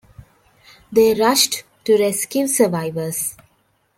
They rushed to rescue survivors.